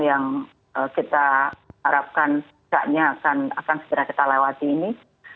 yang kita harapkan tidaknya akan segera kita lewati ini